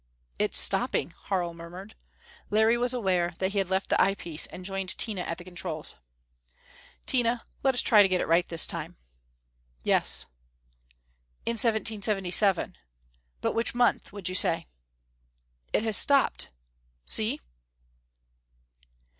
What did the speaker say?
"It is stopping," Harl murmured. Larry was aware that he had left the eyepiece and joined Tina at the controls. "Tina, let us try to get it right this time." "Yes." "In 1777; but which month, would you say?" "It has stopped! See?"